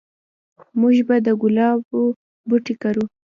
موږ به د ګلابو بوټي کرو